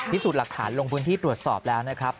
พิสูจน์หลักฐานลงพื้นที่ตรวจสอบแล้วนะครับ